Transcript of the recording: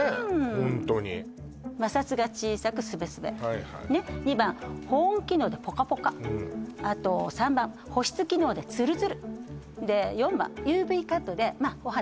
ホントに摩擦が小さくスベスベはいはい２番保温機能でポカポカあと３番保湿機能でツルツルで４番ＵＶカットでまあお肌